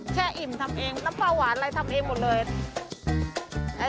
อิ่มทำเองน้ำปลาหวานอะไรทำเองหมดเลย